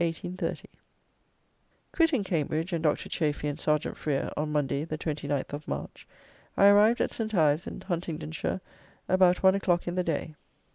_ Quitting Cambridge and Dr. Chafy and Serjeant Frere, on Monday, the 29th of March, I arrived at St. Ives, in Huntingdonshire, about one o'clock in the day.